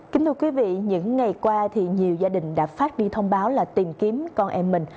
kính thưa quý vị những ngày qua thì nhiều gia đình đã phát đi thông báo là tìm kiếm con em mình